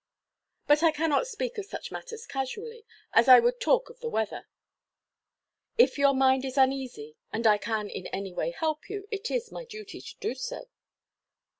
But I cannot speak of such matters casually, as I would talk of the weather. If your mind is uneasy, and I can in any way help you, it is my duty to do so."